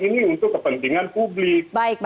ini untuk kepentingan publik